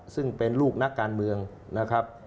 ซึ่งเป็นลูกนักการเมืองนะครับ